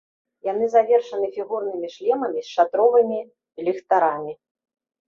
Яны завершаны фігурнымі шлемамі з шатровымі ліхтарамі.